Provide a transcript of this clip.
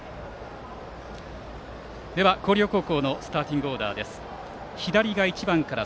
では、広陵高校のスターティングオーダーです。